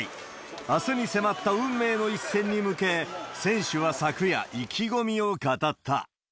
あすに迫った運命の一戦に向け、選手は昨夜、意気込みを語った。